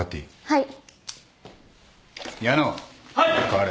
はい。